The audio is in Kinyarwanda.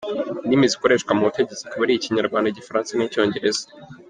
Indimi zikoreshwa mu butegetsi akaba ari Ikinyarwanda, Igifaransa n’Icyongereza.